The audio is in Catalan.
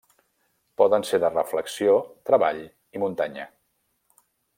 Poden ser de reflexió, treball i muntanya.